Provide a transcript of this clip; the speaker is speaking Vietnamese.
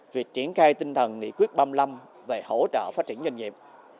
việc triển khai tinh thần nghị quyết ba mươi năm về hỗ trợ phát triển doanh nghiệp